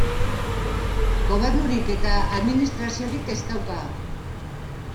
Gobernurik eta administraziorik ez dauka.